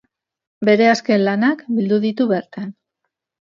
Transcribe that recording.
Bere azken lanak bildu ditu bertan.